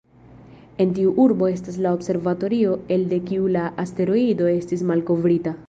En tiu urbo estas la observatorio elde kiu la asteroido estis malkovrita.